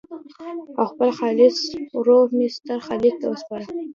او خپل خالص روح مې ستر خالق ته وسپاره.